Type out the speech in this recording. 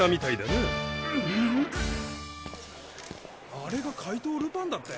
あれが怪盗ルパンだって？